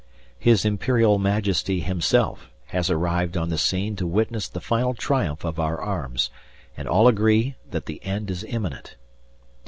His Imperial Majesty himself has arrived on the scene to witness the final triumph of our arms, and all agree that the end is imminent.